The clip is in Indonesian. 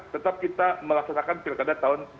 tetap kita melaksanakan pilkada tahun dua ribu dua puluh